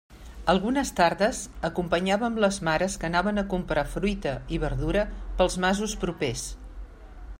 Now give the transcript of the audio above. Algunes tardes acompanyàvem les mares que anaven a comprar fruita i verdura pels masos propers.